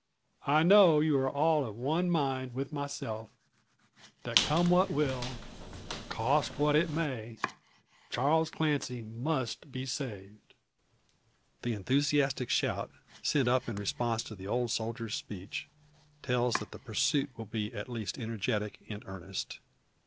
I know you are all of one mind with myself, that come what will, cost what it may, Charles Clancy must be saved." The enthusiastic shout, sent up in response to the old soldier's speech, tells that the pursuit will be at least energetic and earnest.